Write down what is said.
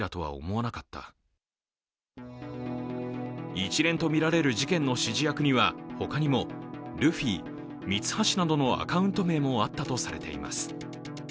一連とみられる事件の指示役には、ほかにもルフィ、ミツハシなどのアカウント名もあったとされています。